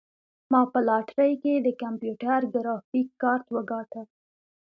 ما په لاټرۍ کې د کمپیوټر ګرافیک کارت وګاټه.